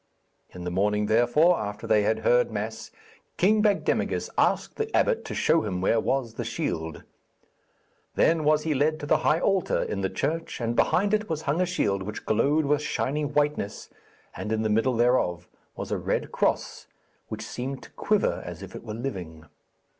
In the morning, therefore, after they had heard mass, King Bagdemagus asked the abbot to show him where was the shield. Then was he led to the high altar in the church, and behind it was hung a shield which glowed with shining whiteness, and in the middle thereof was a red cross which seemed to quiver as if it were living.